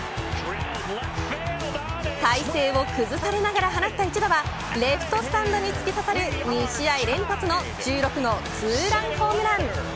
体勢を崩されながら放った一打はレフトスタンドに突き刺さる２試合連発の１６号ツーランホームラン。